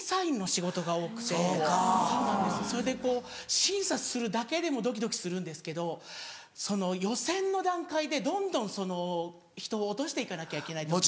それで審査するだけでもドキドキするんですけどその予選の段階でどんどん人を落として行かなきゃいけない。